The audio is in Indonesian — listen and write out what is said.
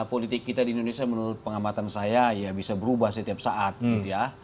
politik kita di indonesia menurut pengamatan saya ya bisa berubah setiap saat gitu ya